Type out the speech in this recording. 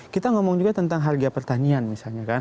kita ngomong juga tentang harga pertanian misalnya kan